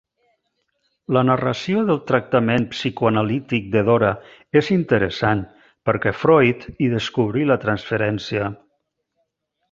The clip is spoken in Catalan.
La narració del tractament psicoanalític de Dora és interessant, perquè Freud hi descobrí la transferència.